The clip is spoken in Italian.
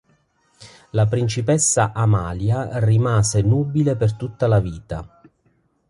La principessa Amalia rimase nubile per tutta la vita.